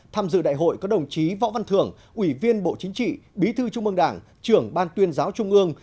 tham dự đại hội có đồng chí võ văn thưởng ủy viên bộ chính trị bí thư trung ương đảng trưởng ban tuyên giáo trung ương